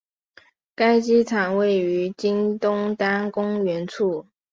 该机场位于今东单公园处。